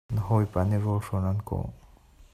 Na hawipa nih rawlhrawn an kawh.